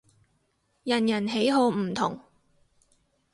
人人喜好唔同